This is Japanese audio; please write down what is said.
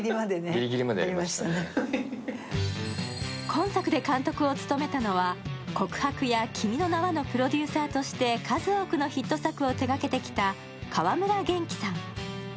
今作で監督を務めたのは「告白」や「君の名は。」の「君の名は」のプロデューサーとして数多くのヒット作を手がけてきた川村元気さん。